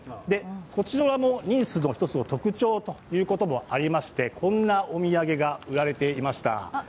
こちらのニースの１つの特徴としましてこんなお土産が売られていました。